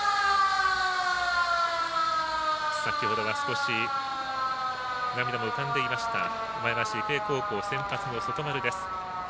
先ほどは少し涙も浮かんでいました前橋育英高校先発の外丸です。